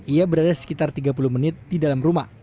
ia berada sekitar tiga puluh menit di dalam rumah